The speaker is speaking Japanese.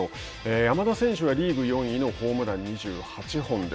山田選手はリーグ４位のホームラン２８本です。